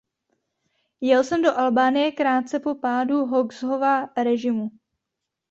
Jel jsem do Albánie krátce po pádu Hoxhova režimu.